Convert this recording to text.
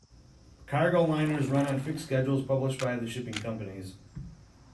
Cargo liners run on fixed schedules published by the shipping companies.